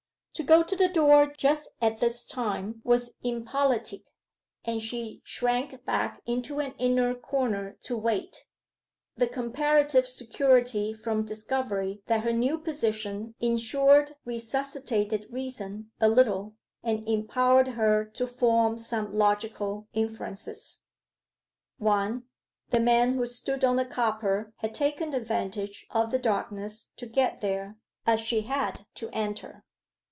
To go to the door just at this time was impolitic, and she shrank back into an inner corner to wait. The comparative security from discovery that her new position ensured resuscitated reason a little, and empowered her to form some logical inferences: 1. The man who stood on the copper had taken advantage of the darkness to get there, as she had to enter.